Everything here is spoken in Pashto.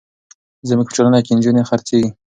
زموږ په ټولنه کې نجونې خرڅېږي.